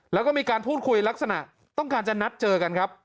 แล้วก็มีการพูดคุยลักษณะต้องการจะนัดเจอกันครับ